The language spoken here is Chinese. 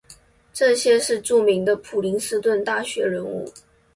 这些是著名的普林斯顿大学人物。